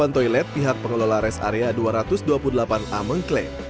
delapan toilet pihak pengelola res area dua ratus dua puluh delapan a mengklaim